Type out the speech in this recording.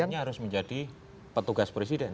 kan harus menjadi petugas presiden